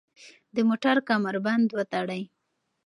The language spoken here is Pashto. د موټر کمربند وتړئ.